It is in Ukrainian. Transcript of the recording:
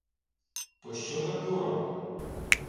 — Пощо так дорого?